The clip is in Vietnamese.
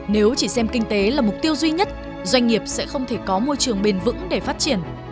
nếu chỉ xem kinh tế là mục tiêu duy nhất doanh nghiệp sẽ không thể có môi trường bền vững để phát triển